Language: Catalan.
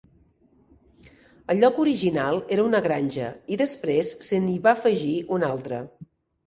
El lloc original era una granja i després se n'hi va afegir una altra.